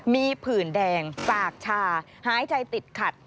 มีผื่นแดงสากชาหายใจติดขัด